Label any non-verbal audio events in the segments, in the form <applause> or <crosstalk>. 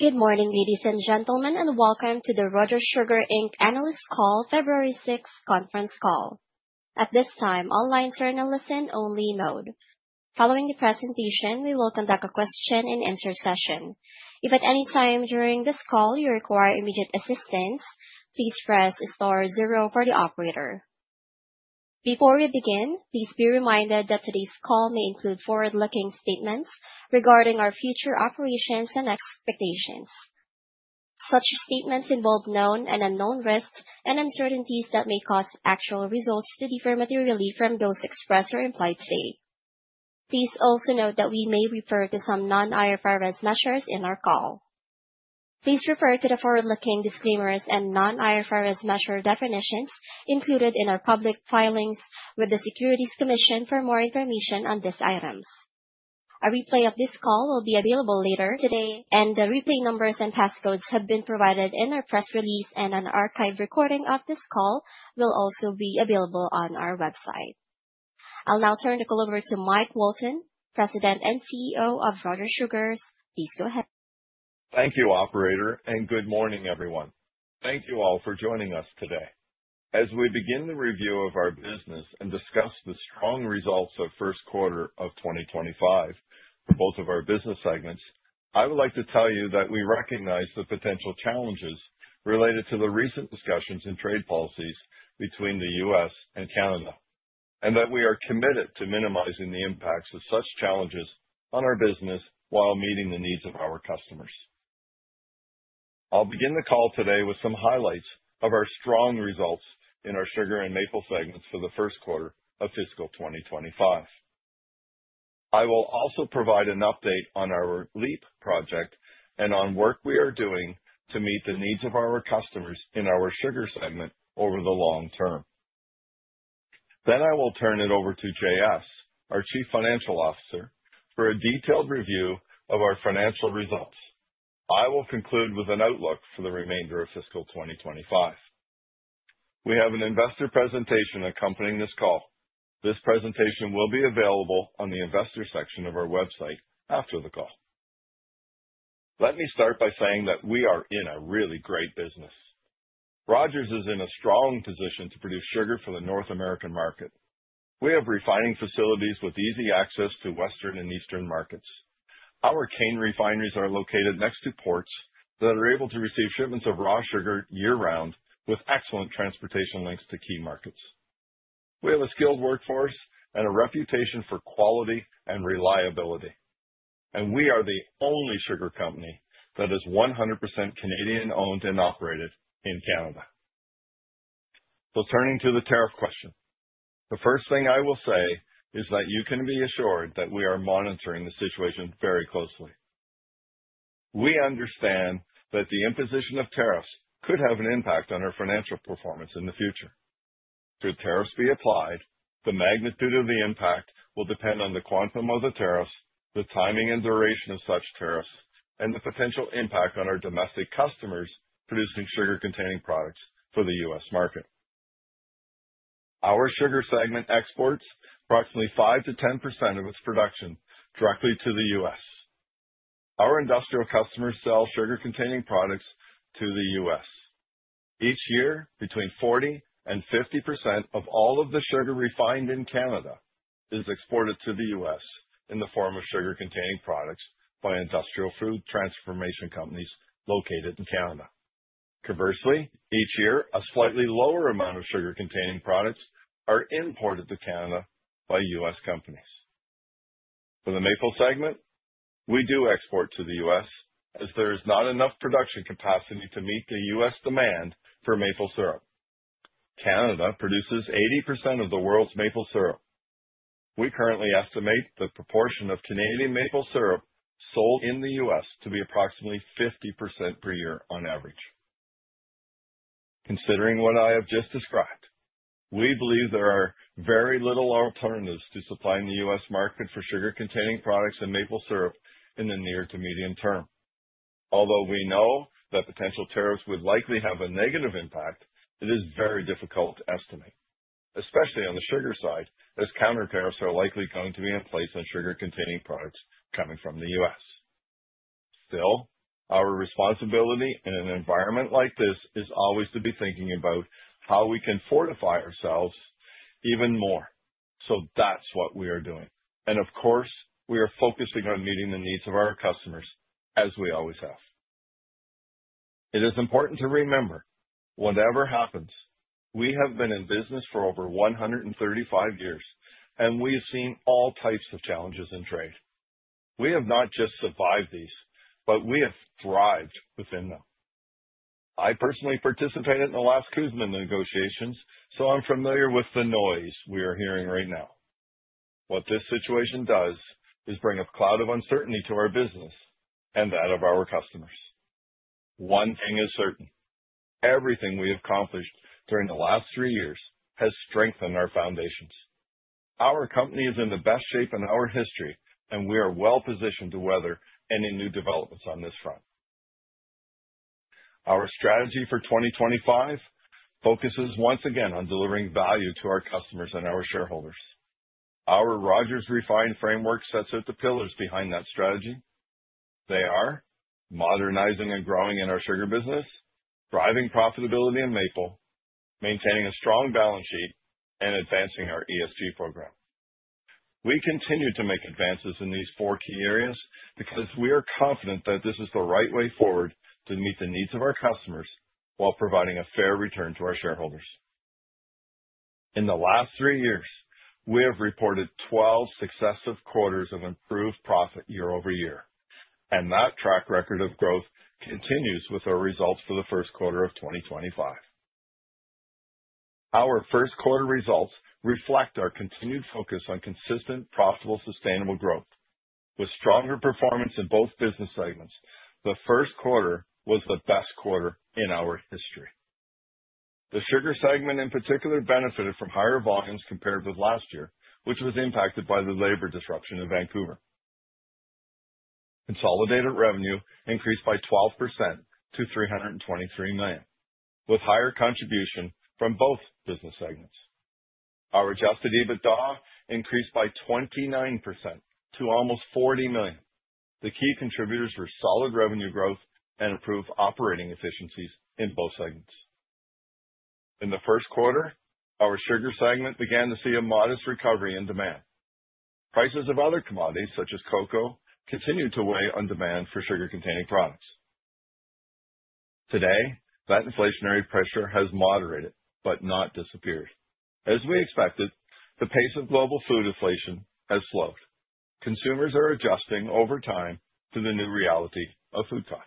Good morning, ladies and gentlemen, and welcome to the Rogers Sugar Inc. Analyst Call, February 6th Conference Call. At this time, all lines are in a listen-only mode. Following the presentation, we will conduct a question-and-answer session. If at any time during this call you require immediate assistance, please press star zero for the operator. Before we begin, please be reminded that today's call may include forward-looking statements regarding our future operations and expectations. Such statements involve known and unknown risks and uncertainties that may cause actual results to differ materially from those expressed or implied today. Please also note that we may refer to some non-IFRS measures in our call. Please refer to the forward-looking disclaimers and non-IFRS measure definitions included in our public filings with the Securities Commission for more information on these items. A replay of this call will be available later today, and the replay numbers and passcodes have been provided in our press release, and an archived recording of this call will also be available on our website. I'll now turn the call over to Mike Walton, President and CEO of Rogers Sugar. Please go ahead. Thank you, Operator, and good morning, everyone. Thank you all for joining us today. As we begin the review of our business and discuss the strong results of the first quarter of 2025 for both of our business segments, I would like to tell you that we recognize the potential challenges related to the recent discussions in trade policies between the U.S. and Canada, and that we are committed to minimizing the impacts of such challenges on our business while meeting the needs of our customers. I'll begin the call today with some highlights of our strong results in our sugar and maple segments for the first quarter of fiscal 2025. I will also provide an update on our LEAP project and on work we are doing to meet the needs of our customers in our Sugar segment over the long term. Then I will turn it over to J.S., our Chief Financial Officer, for a detailed review of our financial results. I will conclude with an outlook for the remainder of fiscal 2025. We have an investor presentation accompanying this call. This presentation will be available on the investor section of our website after the call. Let me start by saying that we are in a really great business. Rogers is in a strong position to produce sugar for the North American market. We have refining facilities with easy access to Western and Eastern markets. Our cane refineries are located next to ports that are able to receive shipments of raw sugar year-round with excellent transportation links to key markets. We have a skilled workforce and a reputation for quality and reliability, and we are the only sugar company that is 100% Canadian-owned and operated in Canada. So turning to the tariff question, the first thing I will say is that you can be assured that we are monitoring the situation very closely. We understand that the imposition of tariffs could have an impact on our financial performance in the future. Should tariffs be applied, the magnitude of the impact will depend on the quantum of the tariffs, the timing and duration of such tariffs, and the potential impact on our domestic customers producing sugar-containing products for the U.S. market. Our Sugar segment exports approximately 5%-10% of its production directly to the U.S. Our industrial customers sell sugar-containing products to the U.S. Each year, between 40% and 50% of all of the sugar refined in Canada is exported to the U.S. in the form of sugar-containing products by industrial food transformation companies located in Canada. Conversely, each year, a slightly lower amount of sugar-containing products are imported to Canada by U.S. companies. For the maple segment, we do export to the U.S. as there is not enough production capacity to meet the U.S. demand for maple syrup. Canada produces 80% of the world's maple syrup. We currently estimate the proportion of Canadian maple syrup sold in the U.S. to be approximately 50% per year on average. Considering what I have just described, we believe there are very little alternatives to supplying the U.S. market for sugar-containing products and maple syrup in the near to medium term. Although we know that potential tariffs would likely have a negative impact, it is very difficult to estimate, especially on the sugar side, as counter tariffs are likely going to be in place on sugar-containing products coming from the U.S. Still, our responsibility in an environment like this is always to be thinking about how we can fortify ourselves even more, so that's what we are doing, and of course, we are focusing on meeting the needs of our customers, as we always have. It is important to remember, whatever happens, we have been in business for over 135 years, and we have seen all types of challenges in trade. We have not just survived these, but we have thrived within them. I personally participated in the last CUSMA negotiations, so I'm familiar with the noise we are hearing right now. What this situation does is bring a cloud of uncertainty to our business and that of our customers. One thing is certain: everything we have accomplished during the last three years has strengthened our foundations. Our company is in the best shape in our history, and we are well-positioned to weather any new developments on this front. Our strategy for 2025 focuses once again on delivering value to our customers and our shareholders. Our Rogers Refined framework sets out the pillars behind that strategy. They are modernizing and growing in our sugar business, driving profitability in maple, maintaining a strong balance sheet, and advancing our ESG program. We continue to make advances in these four key areas because we are confident that this is the right way forward to meet the needs of our customers while providing a fair return to our shareholders. In the last three years, we have reported 12 successive quarters of improved profit year-over-year, and that track record of growth continues with our results for the first quarter of 2025. Our first-quarter results reflect our continued focus on consistent, profitable, sustainable growth. With stronger performance in both business segments, the first quarter was the best quarter in our history. The Sugar segment, in particular, benefited from higher volumes compared with last year, which was impacted by the labour disruption in Vancouver. Consolidated revenue increased by 12% to 323 million, with higher contribution from both business segments. Our adjusted EBITDA increased by 29% to almost 40 million. The key contributors were solid revenue growth and improved operating efficiencies in both segments. In the first quarter, our Sugar segment began to see a modest recovery in demand. Prices of other commodities, such as cocoa, continued to weigh on demand for sugar-containing products. Today, that inflationary pressure has moderated but not disappeared. As we expected, the pace of global food inflation has slowed. Consumers are adjusting over time to the new reality of food price.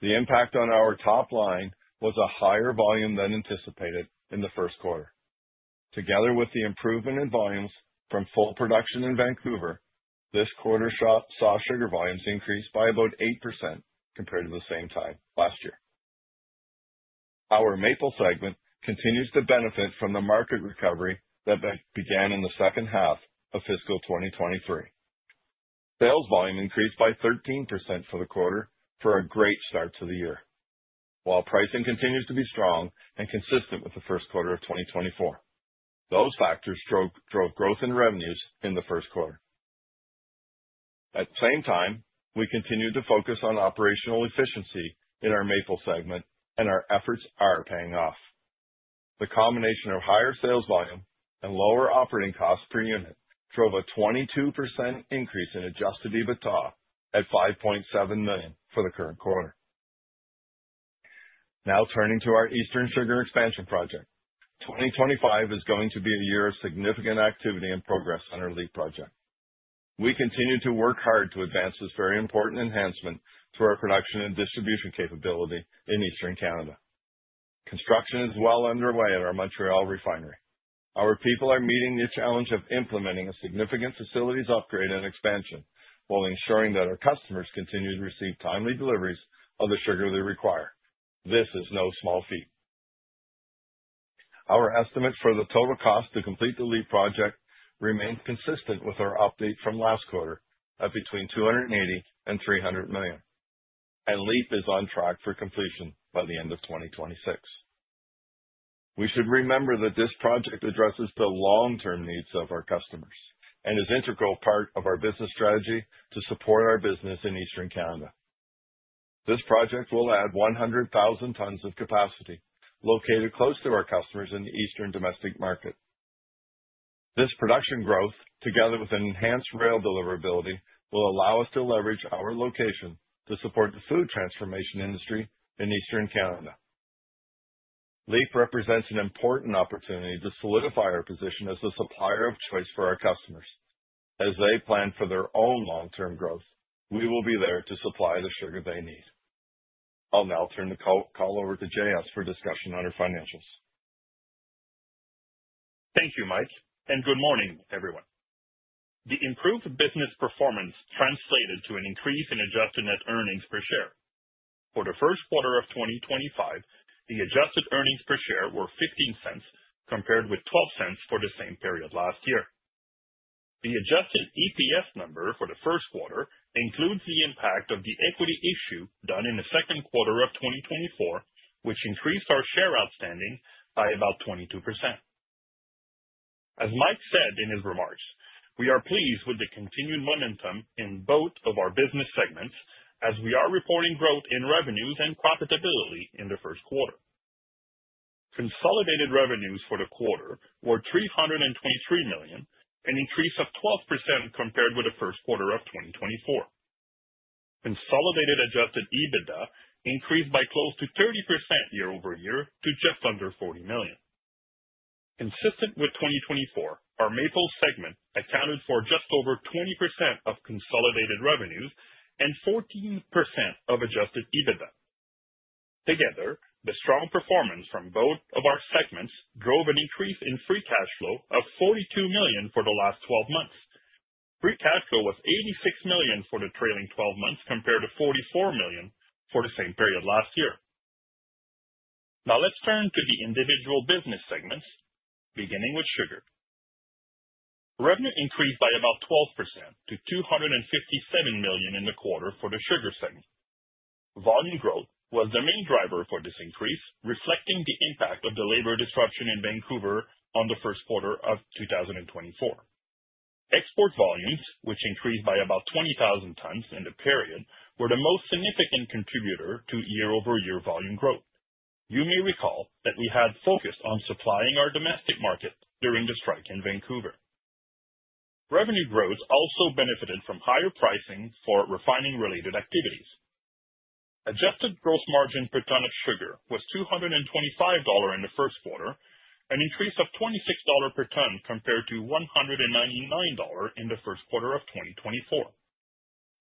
The impact on our top line was a higher volume than anticipated in the first quarter. Together with the improvement in volumes from full production in Vancouver, this quarter saw sugar volumes increase by about 8% compared to the same time last year. Our maple segment continues to benefit from the market recovery that began in the second half of fiscal 2023. Sales volume increased by 13% for the quarter, for a great start to the year, while pricing continues to be strong and consistent with the first quarter of 2024. Those factors drove growth in revenues in the first quarter. At the same time, we continue to focus on operational efficiency in our maple segment, and our efforts are paying off. The combination of higher sales volume and lower operating costs per unit drove a 22% increase in adjusted EBITDA at 5.7 million for the current quarter. Now turning to our Eastern sugar expansion project, 2025 is going to be a year of significant activity and progress on our LEAP project. We continue to work hard to advance this very important enhancement to our production and distribution capability in Eastern Canada. Construction is well underway at our Montreal refinery. Our people are meeting the challenge of implementing a significant facilities upgrade and expansion while ensuring that our customers continue to receive timely deliveries of the sugar they require. This is no small feat. Our estimate for the total cost to complete the LEAP project remains consistent with our update from last quarter at between 280 and 300 million, and LEAP is on track for completion by the end of 2026. We should remember that this project addresses the long-term needs of our customers and is an integral part of our business strategy to support our business in Eastern Canada. This project will add 100,000 tons of capacity located close to our customers in the Eastern domestic market. This production growth, together with enhanced rail deliverability, will allow us to leverage our location to support the food transformation industry in Eastern Canada. LEAP represents an important opportunity to solidify our position as the supplier of choice for our customers. As they plan for their own long-term growth, we will be there to supply the sugar they need. I'll now turn the call over to J.S. for discussion on our financials. Thank you, Mike, and good morning, everyone. The improved business performance translated to an increase in adjusted net earnings per share. For the first quarter of 2025, the adjusted earnings per share were 0.15 compared with 0.12 for the same period last year. The adjusted EPS number for the first quarter includes the impact of the equity issue done in the second quarter of 2024, which increased our share outstanding by about 22%. As Mike said in his remarks, we are pleased with the continued momentum in both of our business segments as we are reporting growth in revenues and profitability in the first quarter. Consolidated revenues for the quarter were 323 million, an increase of 12% compared with the first quarter of 2024. Consolidated adjusted EBITDA increased by close to 30% year-over-year to just under 40 million. Consistent with 2024, our maple segment accounted for just over 20% of consolidated revenues and 14% of adjusted EBITDA. Together, the strong performance from both of our segments drove an increase in free cash flow of $42 million for the last 12 months. Free cash flow was $86 million for the trailing 12 months compared to $44 million for the same period last year. Now let's turn to the individual business segments, beginning with sugar. Revenue increased by about 12% to $257 million in the quarter for the Sugar segment. Volume growth was the main driver for this increase, reflecting the impact of the labour disruption in Vancouver on the first quarter of 2024. Export volumes, which increased by about 20,000 tons in the period, were the most significant contributor to year-over-year volume growth. You may recall that we had focused on supplying our domestic market during the strike in Vancouver. Revenue growth also benefited from higher pricing for refining-related activities. Adjusted gross margin per ton of sugar was 225 dollars in the first quarter, an increase of 26 dollars per ton compared to 199 dollars in the first quarter of 2024.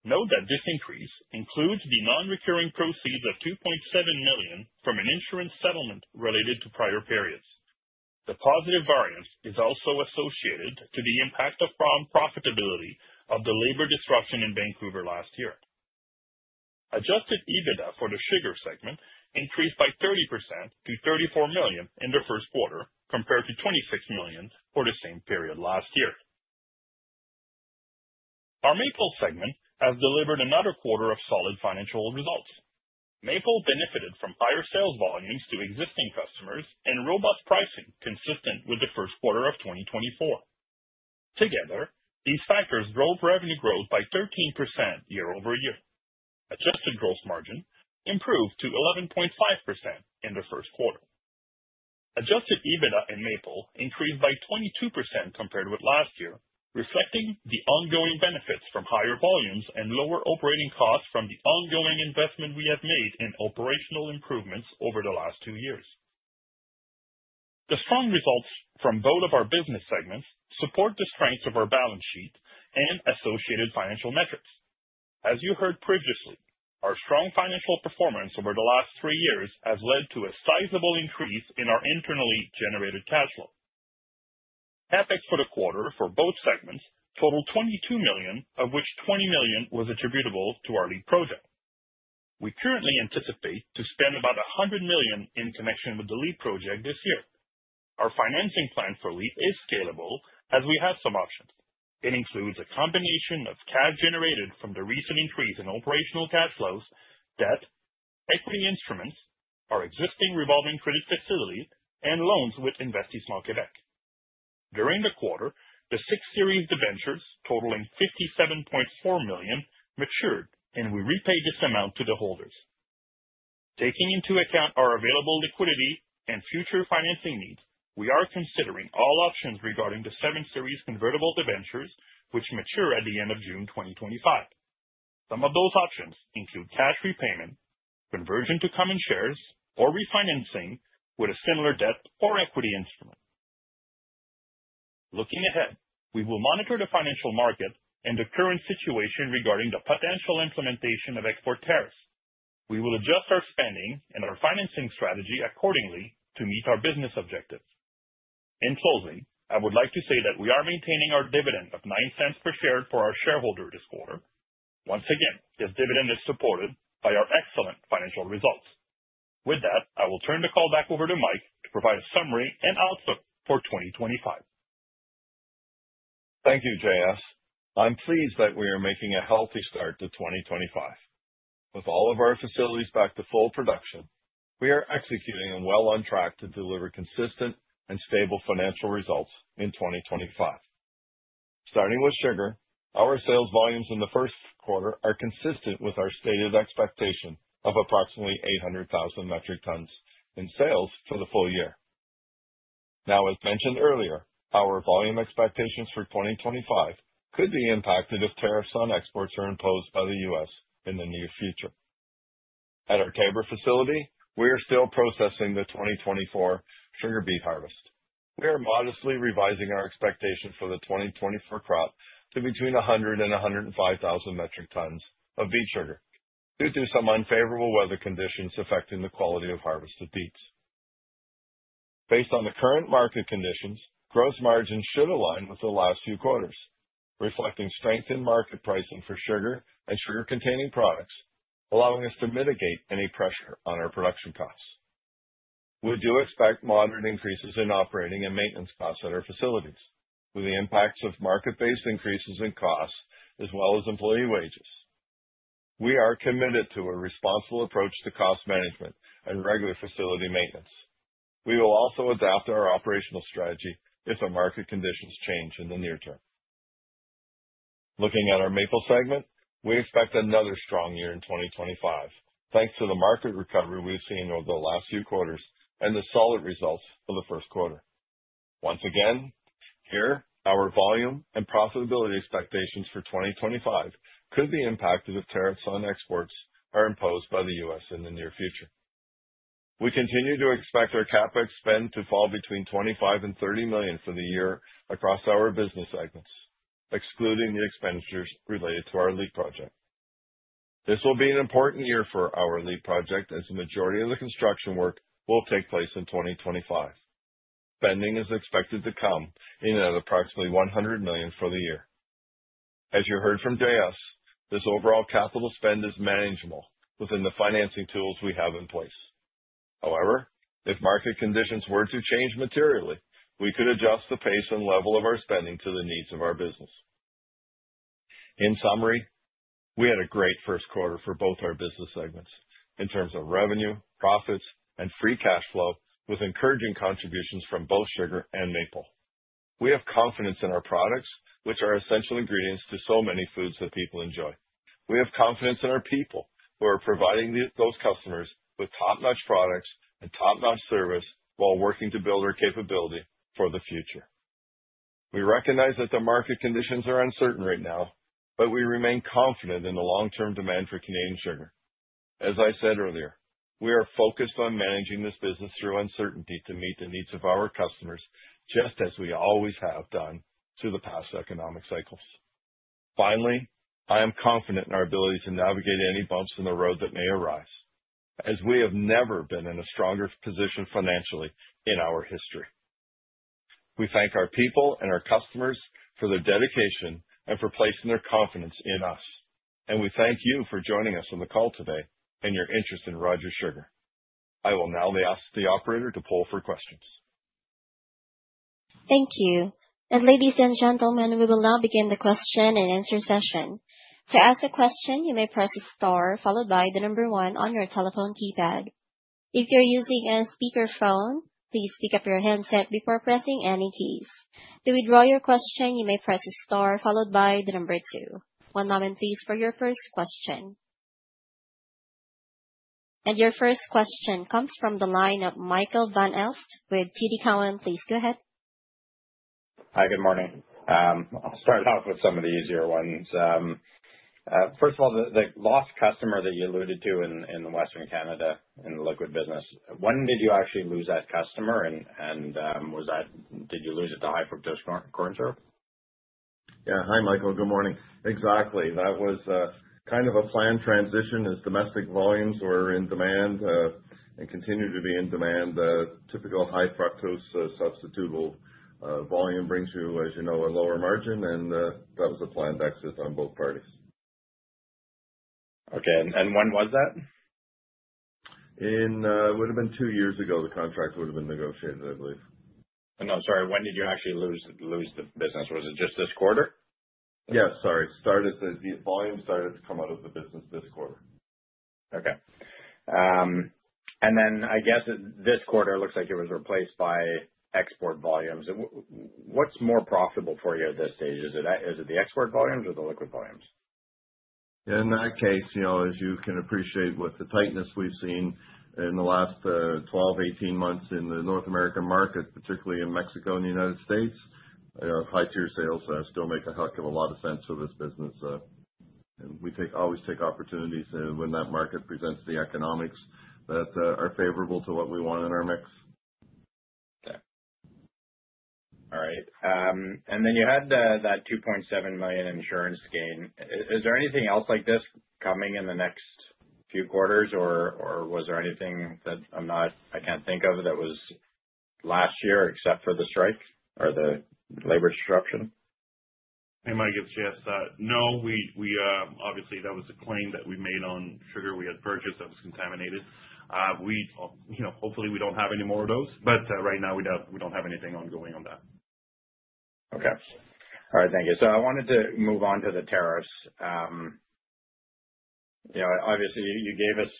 Note that this increase includes the non-recurring proceeds of 2.7 million from an insurance settlement related to prior periods. The positive variance is also associated with the impact of profitability of the labour disruption in Vancouver last year. Adjusted EBITDA for the Sugar segment increased by 30% to 34 million in the first quarter compared to 26 million for the same period last year. Our maple segment has delivered another quarter of solid financial results. Maple benefited from higher sales volumes to existing customers and robust pricing consistent with the first quarter of 2024. Together, these factors drove revenue growth by 13% year-over-year. Adjusted gross margin improved to 11.5% in the first quarter. Adjusted EBITDA in maple increased by 22% compared with last year, reflecting the ongoing benefits from higher volumes and lower operating costs from the ongoing investment we have made in operational improvements over the last two years. The strong results from both of our business segments support the strengths of our balance sheet and associated financial metrics. As you heard previously, our strong financial performance over the last three years has led to a sizable increase in our internally generated cash flow. CapEx for the quarter for both segments totaled 22 million, of which 20 million was attributable to our LEAP project. We currently anticipate to spend about 100 million in connection with the LEAP project this year. Our financing plan for LEAP is scalable as we have some options. It includes a combination of cash generated from the recent increase in operational cash flows, debt, equity instruments, our existing revolving credit facilities, and loans with Investissement Québec. During the quarter, the six series of debentures totaling 57.4 million matured, and we repaid this amount to the holders. Taking into account our available liquidity and future financing needs, we are considering all options regarding the seven series convertible debentures, which mature at the end of June 2025. Some of those options include cash repayment, conversion to common shares, or refinancing with a similar debt or equity instrument. Looking ahead, we will monitor the financial market and the current situation regarding the potential implementation of export tariffs. We will adjust our spending and our financing strategy accordingly to meet our business objectives. In closing, I would like to say that we are maintaining our dividend of 0.09 per share for our shareholders this quarter. Once again, this dividend is supported by our excellent financial results. With that, I will turn the call back over to Mike to provide a summary and outlook for 2025. Thank you, J.S.. I'm pleased that we are making a healthy start to 2025. With all of our facilities back to full production, we are executing and well on track to deliver consistent and stable financial results in 2025. Starting with sugar, our sales volumes in the first quarter are consistent with our stated expectation of approximately 800,000 metric tonnes in sales for the full year. Now, as mentioned earlier, our volume expectations for 2025 could be impacted if tariffs on exports are imposed by the U.S. in the near future. At our Taber facility, we are still processing the 2024 sugar beet harvest. We are modestly revising our expectation for the 2024 crop to between 100,000 and 105,000 metric tonnes of beet sugar due to some unfavorable weather conditions affecting the quality of harvested beets. Based on the current market conditions, gross margins should align with the last few quarters, reflecting strength in market pricing for sugar and sugar-containing products, allowing us to mitigate any pressure on our production costs. We do expect moderate increases in operating and maintenance costs at our facilities, with the impacts of market-based increases in costs as well as employee wages. We are committed to a responsible approach to cost management and regular facility maintenance. We will also adapt our operational strategy if the market conditions change in the near term. Looking at our maple segment, we expect another strong year in 2025, thanks to the market recovery we've seen over the last few quarters and the solid results for the first quarter. Once again, here, our volume and profitability expectations for 2025 could be impacted if tariffs on exports are imposed by the U.S. in the near future. We continue to expect our CapEx spend to fall between 25 million and 30 million for the year across our business segments, excluding the expenditures related to our LEAP project. This will be an important year for our LEAP project as the majority of the construction work will take place in 2025. Spending is expected to come in at approximately 100 million for the year. As you heard from J.S., this overall capital spend is manageable within the financing tools we have in place. However, if market conditions were to change materially, we could adjust the pace and level of our spending to the needs of our business. In summary, we had a great first quarter for both our business segments in terms of revenue, profits, and free cash flow, with encouraging contributions from both sugar and maple. We have confidence in our products, which are essential ingredients to so many foods that people enjoy. We have confidence in our people who are providing those customers with top-notch products and top-notch service while working to build our capability for the future. We recognize that the market conditions are uncertain right now, but we remain confident in the long-term demand for Canadian sugar. As I said earlier, we are focused on managing this business through uncertainty to meet the needs of our customers, just as we always have done through the past economic cycles. Finally, I am confident in our ability to navigate any bumps in the road that may arise, as we have never been in a stronger position financially in our history. We thank our people and our customers for their dedication and for placing their confidence in us, and we thank you for joining us on the call today and your interest in Rogers Sugar. I will now ask the operator to poll for questions. Thank you. And ladies and gentlemen, we will now begin the question and answer session. To ask a question, you may press the star followed by the number one on your telephone keypad. If you're using a speakerphone, please pick up your headset before pressing any keys. To withdraw your question, you may press the star followed by the number two. One moment, please, for your first question. And your first question comes from the line of Michael Van Aelst with TD Cowen. Please go ahead. Hi, good morning. I'll start off with some of the easier ones. First of all, the lost customer that you alluded to in Western Canada in the liquid business, when did you actually lose that customer? And did you lose it to high-fructose corn syrup? Yeah. Hi, Michael. Good morning. Exactly. That was kind of a planned transition as domestic volumes were in demand and continue to be in demand. Typical high-fructose substitutable volume brings you, as you know, a lower margin, and that was a planned exit on both parties. Okay. And when was that? It would have been two years ago. The contract would have been negotiated, I believe. No, sorry. When did you actually lose the business? Was it just this quarter? Yes, sorry. The volume started to come out of the business this quarter. Okay. And then I guess this quarter looks like it was replaced by export volumes. What's more profitable for you at this stage? Is it the export volumes or the liquid volumes? In that case, as you can appreciate with the tightness we've seen in the last 12-18 months in the North American market, particularly in Mexico and the United States, high-tier sales still make a heck of a lot of sense for this business. And we always take opportunities when that market presents the economics that are favorable to what we want in our mix. Okay. All right. And then you had that 2.7 million insurance gain. Is there anything else like this coming in the next few quarters, or was there anything that I can't think of that was last year except for the strike or the labour disruption? Hey, Mike, it's J.S.. No, obviously, that was a claim that we made on sugar we had purchased that was contaminated. Hopefully, we don't have any more of those, but right now, we don't have anything ongoing on that. Okay. All right. Thank you. So I wanted to move on to the tariffs. Obviously, you gave us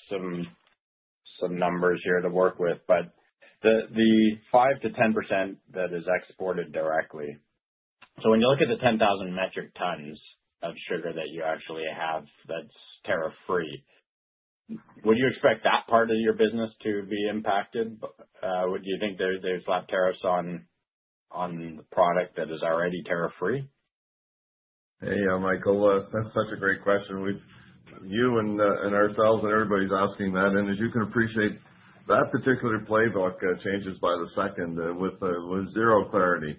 some numbers here to work with, but the 5%-10% that is exported directly. So when you look at the 10,000 metric tonnes of sugar that you actually have that's tariff-free, would you expect that part of your business to be impacted? Do you think there's a lot of tariffs on the product that is already tariff-free? Hey, Michael, that's such a great question. You and ourselves and everybody's asking that, and as you can appreciate, that particular playbook changes by the second with zero clarity,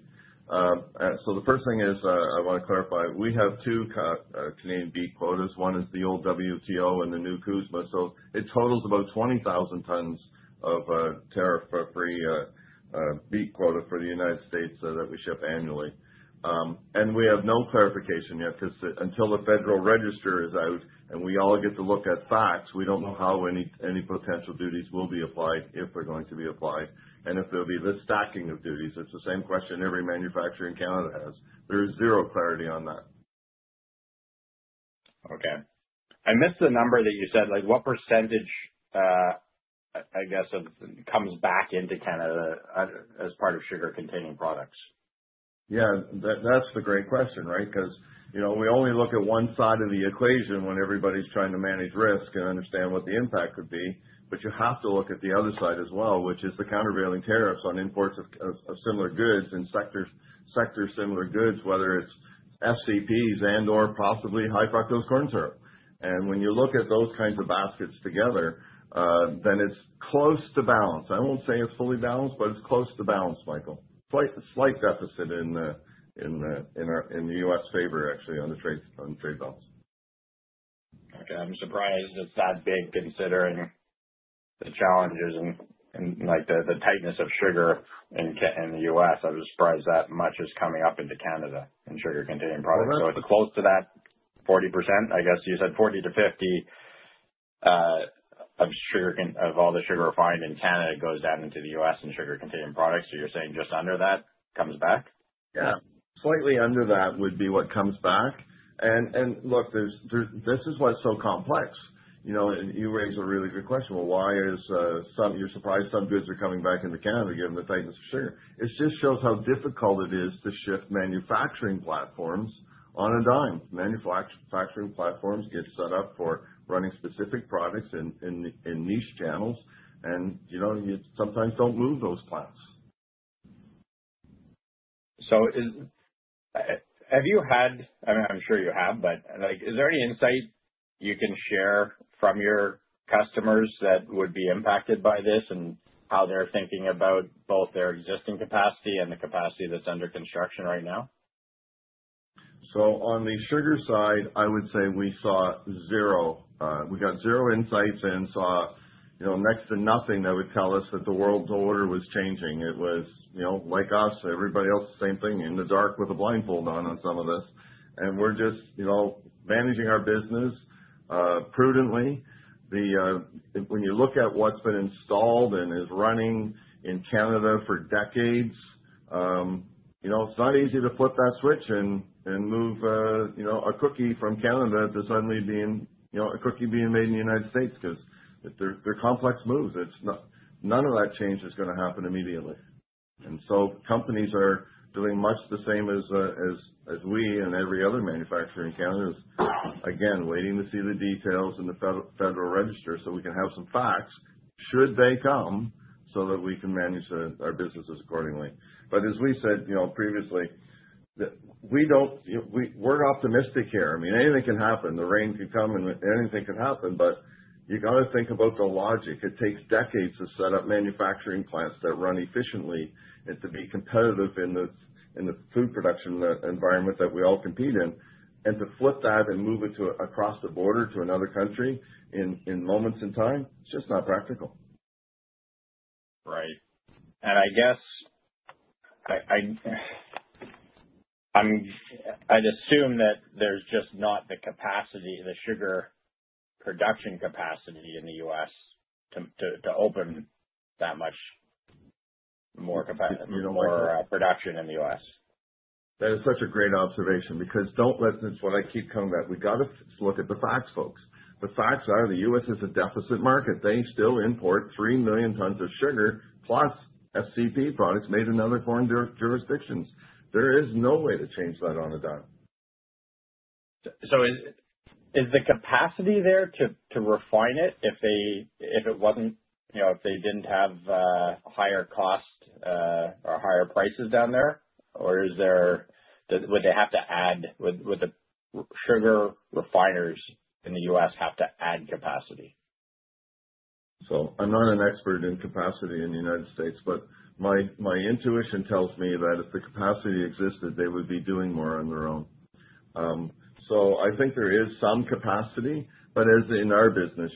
so the first thing is I want to clarify. We have two Canadian beet quotas. One is the old WTO and the new CUSMA, so it totals about 20,000 tons of tariff-free beet quota for the United States that we ship annually, and we have no clarification yet because until the Federal Register is out and we all get to look at facts, we don't know how any potential duties will be applied, if they're going to be applied, and if there'll be the stacking of duties. It's the same question every manufacturer in Canada has. There is zero clarity on that. Okay. I missed the number that you said. What percentage, I guess, comes back into Canada as part of sugar-containing products? Yeah, that's the great question, right? Because we only look at one side of the equation when everybody's trying to manage risk and understand what the impact could be, but you have to look at the other side as well, which is the countervailing tariffs on imports of similar goods and sector-similar goods, whether it's SCPs and/or possibly high-fructose corn syrup, and when you look at those kinds of baskets together, then it's close to balance. I won't say it's fully balanced, but it's close to balance, Michael. Slight deficit in the U.S. favor, actually, on the trade balance. Okay. I'm surprised it's that big considering the challenges and the tightness of sugar in the U.S. I'm surprised that much is coming up into Canada in sugar-containing products. So it's close to that 40%? I guess you said 40%-50% of all the sugar refined in Canada goes down into the U.S. in sugar-containing products. So you're saying just under that comes back? Yeah. Slightly under that would be what comes back, and look, this is why it's so complex. You raise a really good question, well, why are you surprised some goods are coming back into Canada given the tightness of sugar? It just shows how difficult it is to shift manufacturing platforms on a dime. Manufacturing platforms get set up for running specific products in niche channels, and you sometimes don't move those plants. Have you had, I mean, I'm sure you have, but is there any insight you can share from your customers that would be impacted by this and how they're thinking about both their existing capacity and the capacity that's under construction right now? So on the sugar side, I would say we saw zero. We got zero insights and saw next to nothing that would tell us that the world's order was changing. It was like us, everybody else the same thing, in the dark with a blindfold on some of this, and we're just managing our business prudently. When you look at what's been installed and is running in Canada for decades, it's not easy to flip that switch and move a cookie from Canada to suddenly being a cookie made in the United States because they're complex moves. None of that change is going to happen immediately. And so companies are doing much the same as we and every other manufacturer in Canada is, again, waiting to see the details in the Federal Register so we can have some facts should they come so that we can manage our businesses accordingly. But as we said previously, we're optimistic here. I mean, anything can happen. The rain can come and anything can happen, but you got to think about the logic. It takes decades to set up manufacturing plants that run efficiently and to be competitive in the food production environment that we all compete in. And to flip that and move it across the border to another country in moments in time, it's just not practical. Right. And I guess I'd assume that there's just not the capacity, the sugar production capacity in the U.S. to open that much more production in the U.S. That is such a great observation because, don't listen to what I keep coming back. We got to look at the facts, folks. The facts are the U.S. is a deficit market. They still import 3 million tons of sugar plus SCP products made in other corn jurisdictions. There is no way to change that on a dime. Is the capacity there to refine it if it wasn't if they didn't have higher costs or higher prices down there? Or would they have to add? Would the sugar refiners in the U.S. have to add capacity? So I'm not an expert in capacity in the United States, but my intuition tells me that if the capacity existed, they would be doing more on their own. So I think there is some capacity, but as in our business,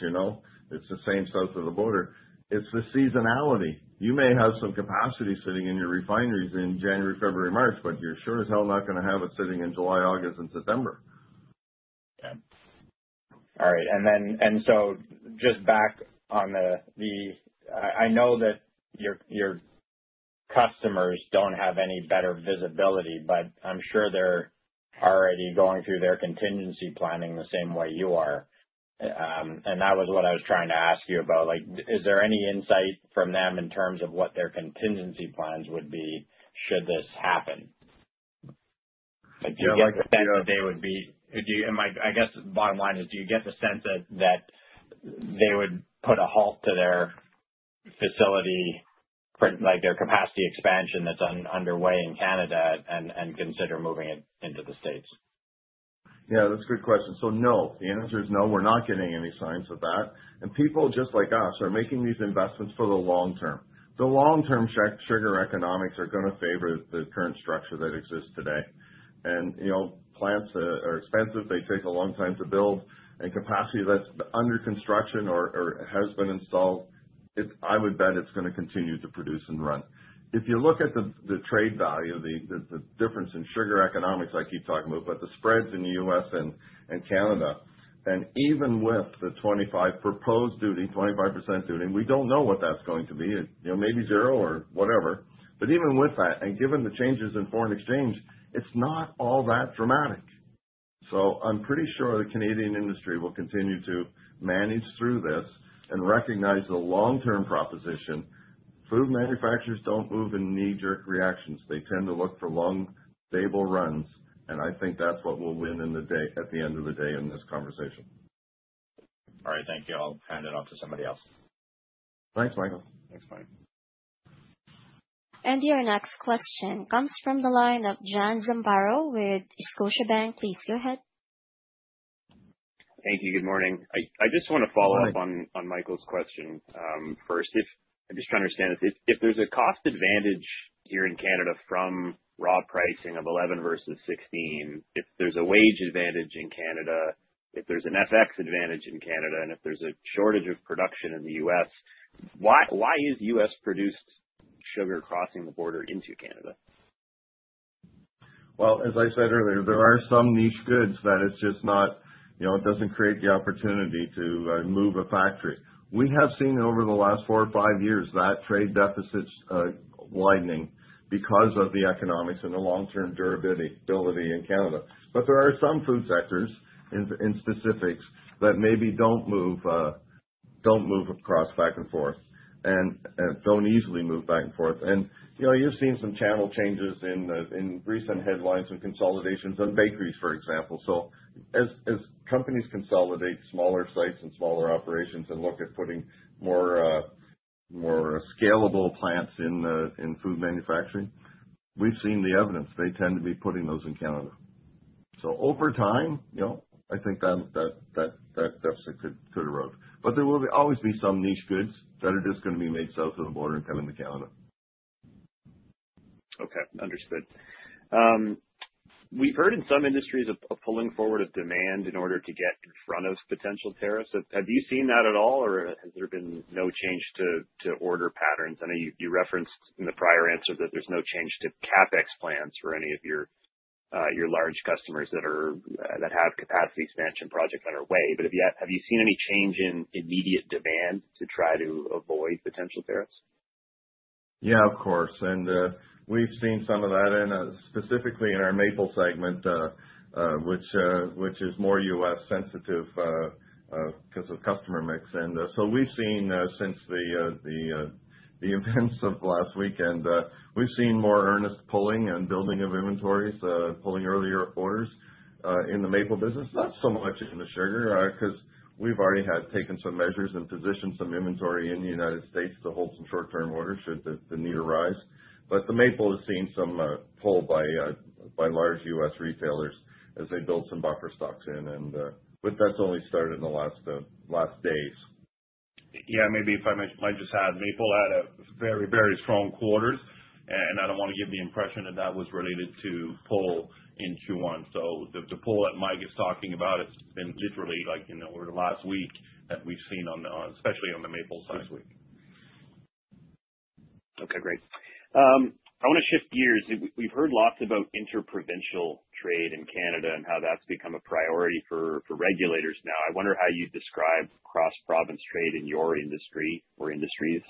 it's the same south of the border. It's the seasonality. You may have some capacity sitting in your refineries in January, February, March, but you're sure as hell not going to have it sitting in July, August, and September. Okay. All right, and then so just back on the—I know that your customers don't have any better visibility, but I'm sure they're already going through their contingency planning the same way you are, and that was what I was trying to ask you about. Is there any insight from them in terms of what their contingency plans would be should this happen? Do you get the sense that they would be—I guess bottom line is, do you get the sense that they would put a halt to their facility, their capacity expansion that's underway in Canada, and consider moving it into the States? Yeah, that's a good question, so no. The answer is no. We're not getting any signs of that, and people just like us are making these investments for the long term. The long-term sugar economics are going to favor the current structure that exists today, and plants are expensive. They take a long time to build, and capacity that's under construction or has been installed, I would bet it's going to continue to produce and run. If you look at the trade value, the difference in sugar economics I keep talking about, but the spreads in the U.S. and Canada, and even with the 25% proposed duty, we don't know what that's going to be. Maybe zero or whatever, but even with that, and given the changes in foreign exchange, it's not all that dramatic. So I'm pretty sure the Canadian industry will continue to manage through this and recognize the long-term proposition. Food manufacturers don't move in knee-jerk reactions. They tend to look for long, stable runs. And I think that's what will win at the end of the day in this conversation. All right. Thank you. I'll hand it off to somebody else. Thanks, Michael. Thanks, Mike. Your next question comes from the line of John Zamparo with Scotiabank. Please go ahead. Thank you. Good morning. I just want to follow up on Michael's question first. I just want to understand if there's a cost advantage here in Canada from raw pricing of 11 versus 16, if there's a wage advantage in Canada, if there's an FX advantage in Canada, and if there's a shortage of production in the U.S., why is U.S.-produced sugar crossing the border into Canada? As I said earlier, there are some niche goods that it's just not, it doesn't create the opportunity to move a factory. We have seen over the last four or five years that trade deficit widening because of the economics and the long-term durability in Canada. There are some food sectors in specifics that maybe don't move across back and forth and don't easily move back and forth. You've seen some channel changes in recent headlines and consolidations on bakeries, for example. As companies consolidate smaller sites and smaller operations and look at putting more scalable plants in food manufacturing, we've seen the evidence. They tend to be putting those in Canada. Over time, I think that deficit could erode. There will always be some niche goods that are just going to be made south of the border and come into Canada. Okay. Understood. We've heard in some industries a pulling forward of demand in order to get in front of potential tariffs. Have you seen that at all, or has there been no change to order patterns? I know you referenced in the prior answer that there's no change to CapEx plans for any of your large customers that have capacity expansion projects underway. But have you seen any change in immediate demand to try to avoid potential tariffs? Yeah, of course. And we've seen some of that, specifically in our maple segment, which is more U.S. sensitive because of customer mix. And so we've seen since the events of last weekend, we've seen more earnest pulling and building of inventories, pulling earlier orders in the Maple business. Not so much in the sugar because we've already taken some measures and positioned some inventory in the United States to hold some short-term orders should the need arise. But the maple has seen some pull by large U.S. retailers as they build some buffer stocks in. But that's only started in the last days. Yeah. Maybe if I might just add, maple had very, very strong quarters and I don't want to give the impression that that was related to pull-in to Q1. The pull that Mike is talking about has been literally over the last week that we've seen, especially on the maple side. Okay. Great. I want to shift gears. We've heard lots about interprovincial trade in Canada and how that's become a priority for regulators now. I wonder how you'd describe cross-province trade in your industry or industries.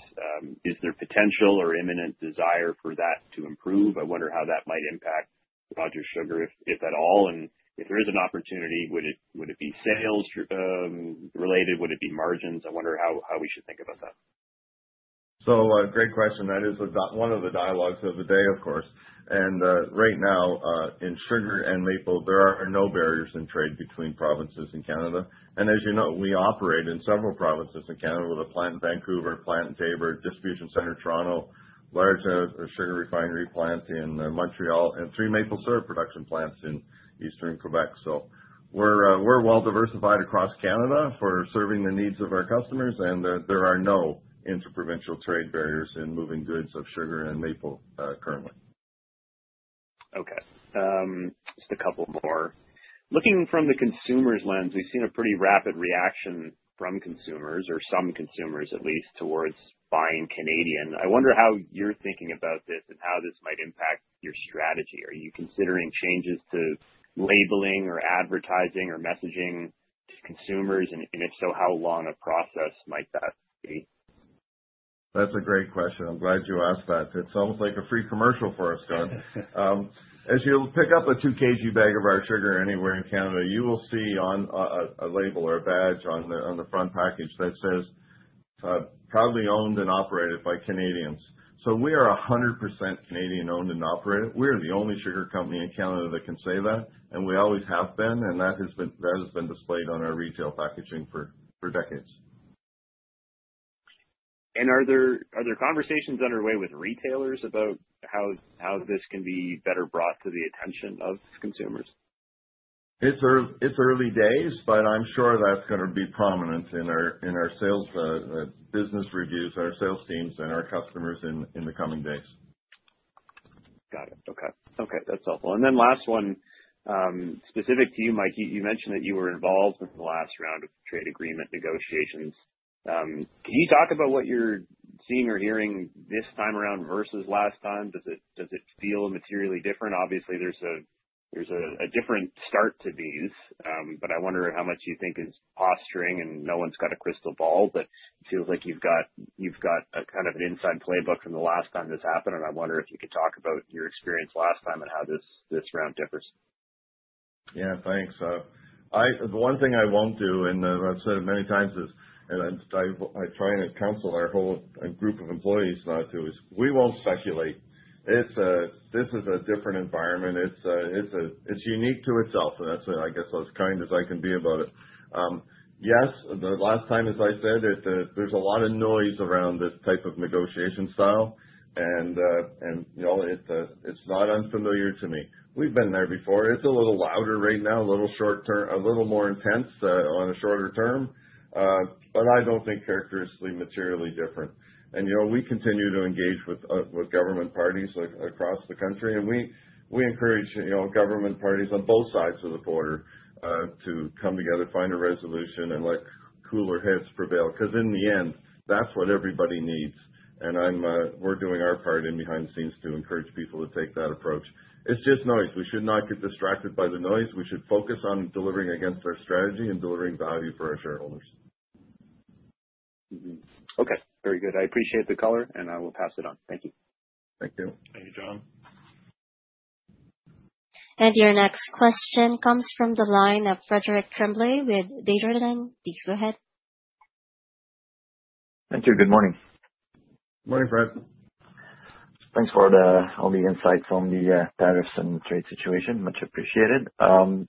Is there potential or imminent desire for that to improve? I wonder how that might impact Rogers Sugar, if at all, and if there is an opportunity, would it be sales related? Would it be margins? I wonder how we should think about that. Great question. That is one of the dialogues of the day, of course. Right now, in sugar and maple, there are no barriers in trade between provinces in Canada. As you know, we operate in several provinces in Canada with a plant in Vancouver, a plant in Taber, a distribution center in Toronto, a large sugar refinery plant in Montreal, and three maple syrup production plants in Eastern Quebec. We're well diversified across Canada for serving the needs of our customers. There are no interprovincial trade barriers in moving goods of sugar and maple currently. Okay. Just a couple more. Looking from the consumer's lens, we've seen a pretty rapid reaction from consumers, or some consumers at least, towards buying Canadian. I wonder how you're thinking about this and how this might impact your strategy. Are you considering changes to labeling or advertising or messaging to consumers, and if so, how long a process might that be? That's a great question. I'm glad you asked that. It's almost like a free commercial for us, Scot. As you pick up a 2 kg bag of our sugar anywhere in Canada, you will see on a label or a badge on the front package that says, "Proudly owned and operated by Canadians." So we are 100% Canadian-owned and operated. We are the only sugar company in Canada that can say that. And we always have been. And that has been displayed on our retail packaging for decades. Are there conversations underway with retailers about how this can be better brought to the attention of consumers? It's early days, but I'm sure that's going to be prominent in our sales business reviews, our sales teams, and our customers in the coming days. Got it. Okay. Okay. That's helpful. And then last one, specific to you, Mike. You mentioned that you were involved with the last round of trade agreement negotiations. Can you talk about what you're seeing or hearing this time around versus last time? Does it feel materially different? Obviously, there's a different start to these. But I wonder how much you think is posturing and no one's got a crystal ball, but it feels like you've got kind of an inside playbook from the last time this happened. And I wonder if you could talk about your experience last time and how this round differs. Yeah. Thanks. The one thing I won't do, and I've said it many times, and I try and counsel our whole group of employees not to, is we won't speculate. This is a different environment. It's unique to itself. And that's what I guess I was kind as I can be about it. Yes, the last time, as I said, there's a lot of noise around this type of negotiation style. And it's not unfamiliar to me. We've been there before. It's a little louder right now, a little more intense on a shorter term. But I don't think characteristically materially different. And we continue to engage with government parties across the country. And we encourage government parties on both sides of the border to come together, find a resolution, and let cooler heads prevail. Because in the end, that's what everybody needs. We're doing our part in behind the scenes to encourage people to take that approach. It's just noise. We should not get distracted by the noise. We should focus on delivering against our strategy and delivering value for our shareholders. Okay. Very good. I appreciate the color, and I will pass it on. Thank you. Thank you. Thank you, John. Your next question comes from the line of Frédéric Tremblay with Desjardins. Please go ahead. Thank you. Good morning. Good morning, Fred. Thanks for all the insights on the tariffs and trade situation. Much appreciated.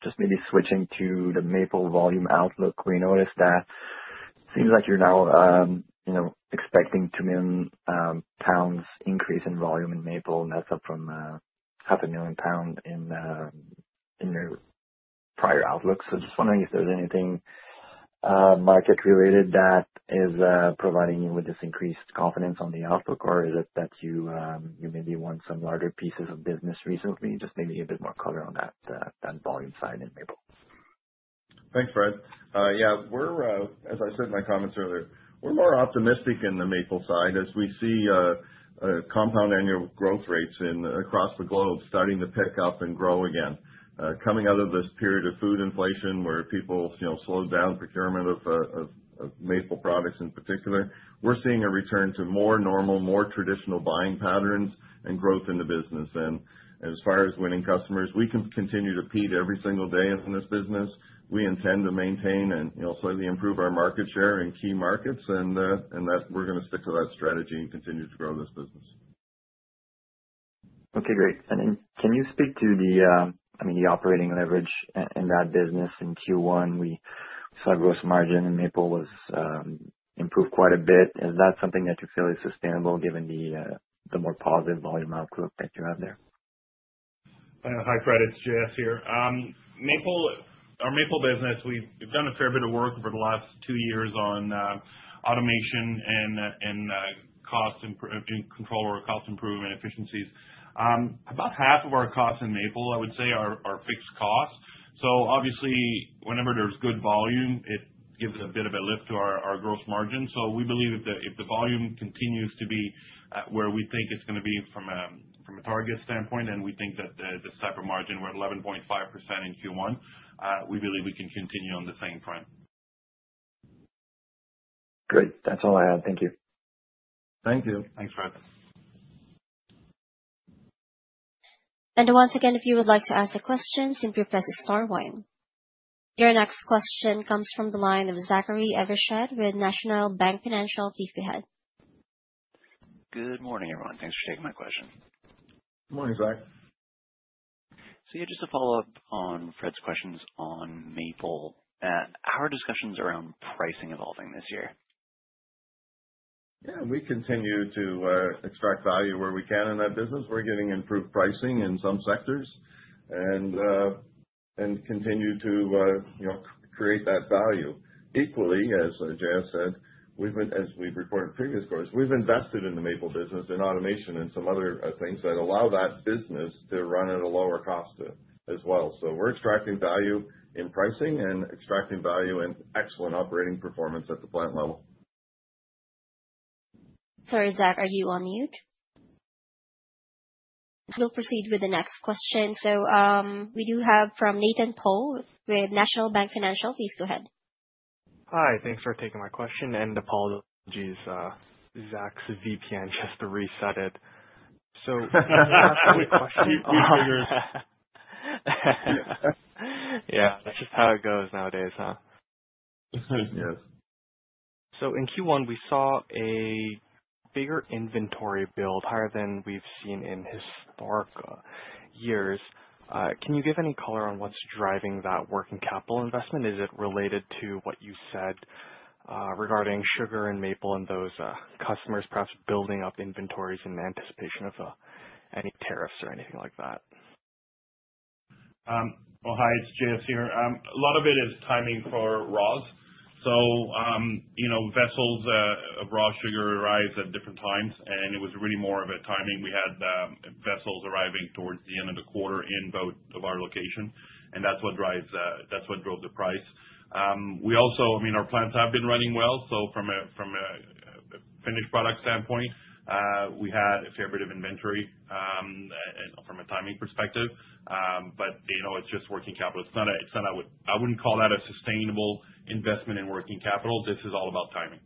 Just maybe switching to the maple volume outlook. We noticed that it seems like you're now expecting 2 million lbs increase in volume in maple. And that's up from 500,000 lbs in your prior outlook. So just wondering if there's anything market-related that is providing you with this increased confidence on the outlook, or is it that you maybe want some larger pieces of business recently? Just maybe a bit more color on that volume side in maple. Thanks, Fred. Yeah. As I said in my comments earlier, we're more optimistic in the maple side as we see compound annual growth rates across the globe starting to pick up and grow again. Coming out of this period of food inflation where people slowed down procurement of maple products in particular, we're seeing a return to more normal, more traditional buying patterns and growth in the business, and as far as winning customers, we can continue to beat every single day in this business. We intend to maintain and slightly improve our market share in key markets, and that we're going to stick to that strategy and continue to grow this business. Okay. Great. And can you speak to the, I mean, the operating leverage in that business in Q1? We saw gross margin in maple was improved quite a bit. Is that something that you feel is sustainable given the more positive volume outlook that you have there? Hi, it's J.S. here. Our Maple business, we've done a fair bit of work over the last two years on automation and control or cost improvement efficiencies. About half of our costs in maple, I would say, are fixed costs. So obviously, whenever there's good volume, it gives a bit of a lift to our gross margin. We believe if the volume continues to be where we think it's going to be from a target standpoint, and we think that this type of margin were 11.5% in Q1, we believe we can continue on the same front. Great. That's all I had. Thank you. Thank you. Thanks, Fred. And once again, if you would like to ask a question, simply press star one. Your next question comes from the line of Zachary Evershed with National Bank Financial. Please go ahead. Good morning, everyone. Thanks for taking my question. Morning, Zach. So yeah, just to follow up on Fred's questions on maple, how are discussions around pricing evolving this year? Yeah. We continue to extract value where we can in that business. We're getting improved pricing in some sectors and continue to create that value. Equally, as J.S. said, as we've reported in previous quarters, we've invested in the Maple business and automation and some other things that allow that business to run at a lower cost as well. So we're extracting value in pricing and extracting value in excellent operating performance at the plant level. Sorry, Zach, are you on mute? We'll proceed with the next question. So we do have from Nathan Po with National Bank Financial. Please go ahead. Hi. Thanks for taking my question. And apologies. Zach's VPN just reset it. So that's my question. <crosstalk> Yeah. That's just how it goes nowadays, huh? Yes. So in Q1, we saw a bigger inventory build higher than we've seen in historic years. Can you give any color on what's driving that working capital investment? Is it related to what you said regarding sugar and maple and those customers perhaps building up inventories in anticipation of any tariffs or anything like that? Hi. It's J.S. here. A lot of it is timing for raws. Vessels of raw sugar arrives at different times. It was really more of a timing. We had vessels arriving towards the end of the quarter in both of our locations. That's what drove the price. I mean, our plants have been running well. From a finished product standpoint, we had a fair bit of inventory from a timing perspective. It's just working capital. It's not a. I wouldn't call that a sustainable investment in working capital. This is all about timing.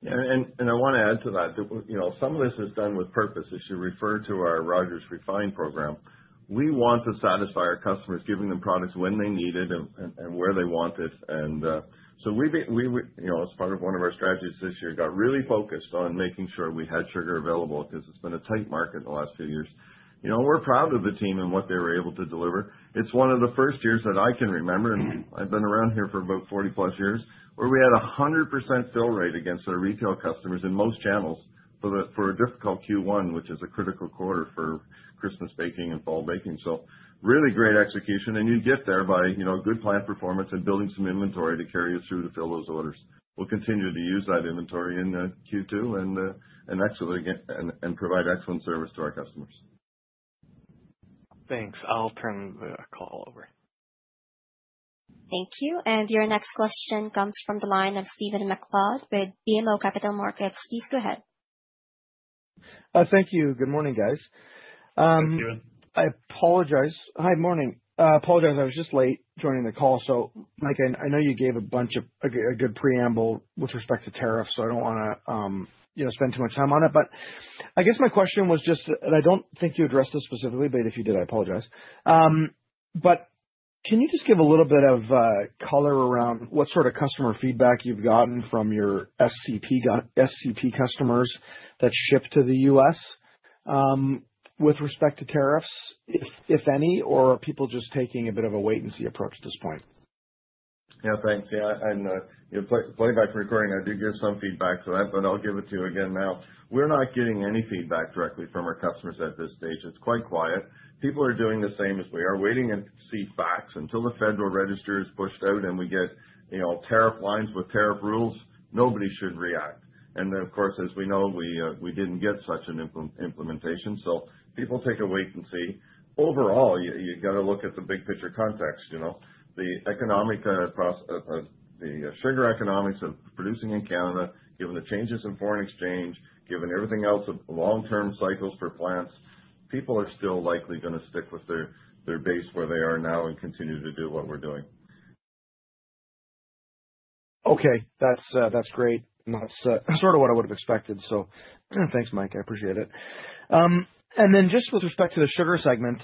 And I want to add to that. Some of this is done with purpose. As you referred to our Rogers Refinery program, we want to satisfy our customers, giving them products when they need it and where they want it. And so we, as part of one of our strategies this year, got really focused on making sure we had sugar available because it's been a tight market in the last few years. We're proud of the team and what they were able to deliver. It's one of the first years that I can remember, and I've been around here for about 40-plus years, where we had a 100% fill rate against our retail customers in most channels for a difficult Q1, which is a critical quarter for Christmas baking and fall baking. So really great execution. You get there by good plant performance and building some inventory to carry us through to fill those orders. We'll continue to use that inventory in Q2 and provide excellent service to our customers. Thanks. I'll turn the call over. Thank you. And your next question comes from the line of Stephen MacLeod with BMO Capital Markets. Please go ahead. Thank you. Good morning, guys. Good morning, Stephen. I apologize. Hi, morning. I apologize. I was just late joining the call. So Mike, I know you gave a bunch of a good preamble with respect to tariffs, so I don't want to spend too much time on it. But I guess my question was just, and I don't think you addressed this specifically, but if you did, I apologize, but can you just give a little bit of color around what sort of customer feedback you've gotten from your SCP customers that ship to the U.S. with respect to tariffs, if any? Or are people just taking a bit of a wait-and-see approach at this point? Yeah. Thanks. Yeah. Playing back from recording, I do give some feedback to that, but I'll give it to you again now. We're not getting any feedback directly from our customers at this stage. It's quite quiet. People are doing the same as we are. Waiting to see facts until the Federal Register is pushed out and we get tariff lines with tariff rules, nobody should react. Then, of course, as we know, we didn't get such an implementation. So people take a wait-and-see. Overall, you've got to look at the big picture context. The sugar economics of producing in Canada, given the changes in foreign exchange, given everything else, long-term cycles for plants. People are still likely going to stick with their base where they are now and continue to do what we're doing. Okay. That's great. And that's sort of what I would have expected. So thanks, Mike. I appreciate it. And then just with respect to the Sugar segment,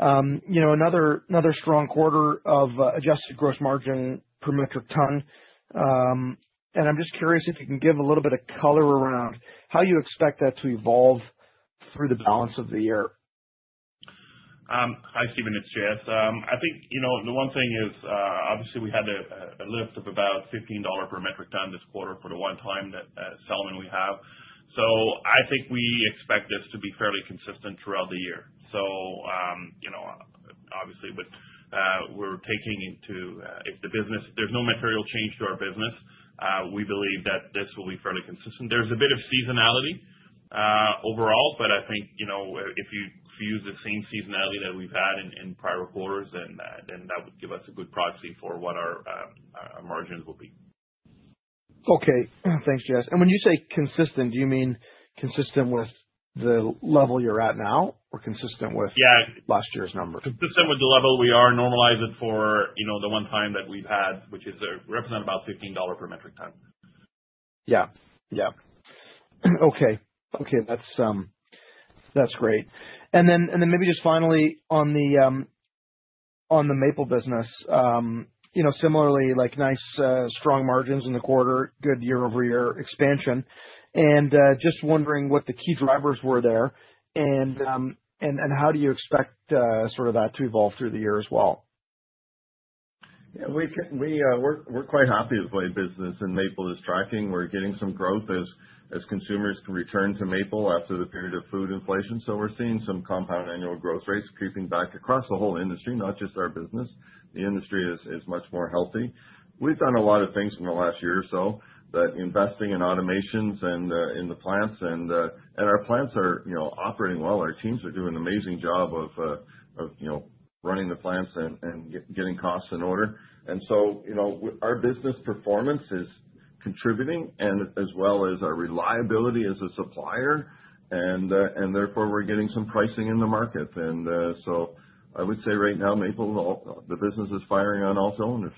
another strong quarter of adjusted gross margin per metric tonne. And I'm just curious if you can give a little bit of color around how you expect that to evolve through the balance of the year? Hi, Stephen. It's J.S.. I think the one thing is, obviously, we had a lift of about $15 per metric tonne this quarter for the one-time settlement we have. So I think we expect this to be fairly consistent throughout the year. So obviously, we're taking into if there's no material change to our business, we believe that this will be fairly consistent. There's a bit of seasonality overall, but I think if you use the same seasonality that we've had in prior quarters, then that would give us a good proxy for what our margins will be. Okay. Thanks, J.S.. And when you say consistent, do you mean consistent with the level you're at now or consistent with last year's number? Yeah. Consistent with the level we are, normalize it for the one-time that we've had, which is represent about $15 per metric tonne. That's great, and then maybe just finally, on the Maple business, similarly, nice strong margins in the quarter, good year-over-year expansion, and just wondering what the key drivers were there and how do you expect sort of that to evolve through the year as well? Yeah. We're quite happy with the way business in maple is tracking. We're getting some growth as consumers can return to maple after the period of food inflation, so we're seeing some compound annual growth rates creeping back across the whole industry, not just our business. The industry is much more healthy. We've done a lot of things in the last year or so that investing in automations in the plants, and our plants are operating well. Our teams are doing an amazing job of running the plants and getting costs in order, and so our business performance is contributing as well as our reliability as a supplier, and therefore, we're getting some pricing in the market, and so I would say right now, maple, the business is firing on all cylinders.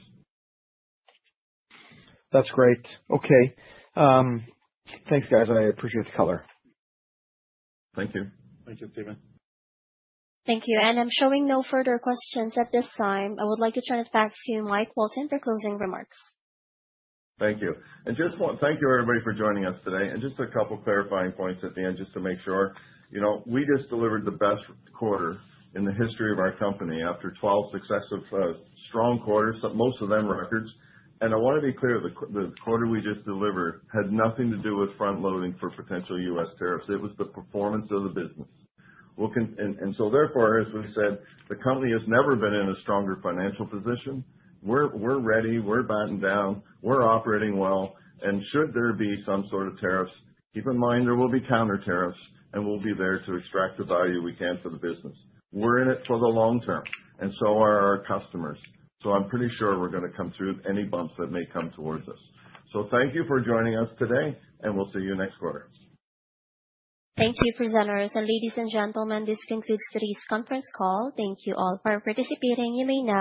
That's great. Okay. Thanks, guys. I appreciate the color. Thank you. Thank you, Stephen. Thank you. And I'm showing no further questions at this time. I would like to turn it back to Mike Walton for closing remarks. Thank you. And just thank you, everybody, for joining us today. And just a couple of clarifying points at the end just to make sure. We just delivered the best quarter in the history of our company after 12 successive strong quarters, most of them records. And I want to be clear, the quarter we just delivered had nothing to do with front-loading for potential U.S. tariffs. It was the performance of the business. And so therefore, as we said, the company has never been in a stronger financial position. We're ready. We're battened down. We're operating well. And should there be some sort of tariffs, keep in mind there will be counter tariffs, and we'll be there to extract the value we can for the business. We're in it for the long term. And so are our customers. So I'm pretty sure we're going to come through any bumps that may come towards us. So thank you for joining us today, and we'll see you next quarter. Thank you, presenters. And ladies and gentlemen, this concludes today's conference call. Thank you all for participating. You may now.